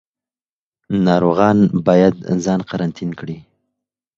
ناروغان باید ځان قرنطین کړي.